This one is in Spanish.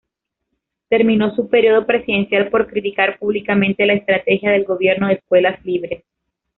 Terminó su período presidencial por criticar públicamente la estrategia del Gobierno de Escuelas Libres.